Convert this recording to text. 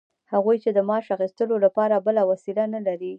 هغوی چې د معاش اخیستلو لپاره بله وسیله نلري